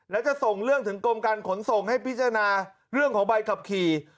แล้วจะส่งเรื่องถึงกรมการขนส่งให้พิจารณาเรื่องของใบขับขี่